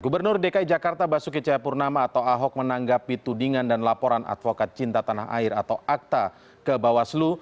gubernur dki jakarta basuki cahayapurnama atau ahok menanggapi tudingan dan laporan advokat cinta tanah air atau akta ke bawaslu